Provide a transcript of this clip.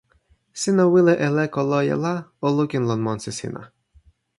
sina wile e leko loje la o lukin lon monsi sina.